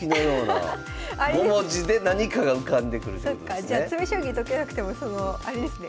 そっかじゃあ詰将棋解けなくてもあれですね